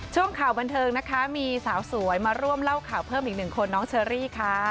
ช่วงข่าวบันเทิงมีสาวสวยร่วมเล่าบันเทิงของเชอรี่